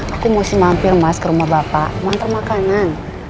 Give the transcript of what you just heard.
aku mesti mampir mas ke rumah bapak manter makanan